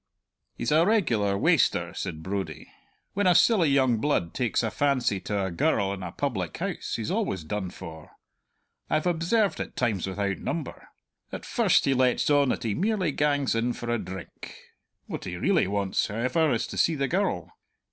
"He's a regular waster," said Brodie. "When a silly young blood takes a fancy to a girl in a public house he's always done for; I've observed it times without number. At first he lets on that he merely gangs in for a drink; what he really wants, however, is to see the girl.